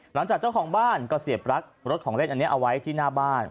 เจ้าของบ้านก็เสียบรักรถของเล่นอันนี้เอาไว้ที่หน้าบ้าน